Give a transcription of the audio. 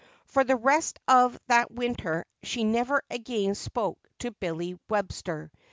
For the rest of that winter she never again spoke to Billy Webster.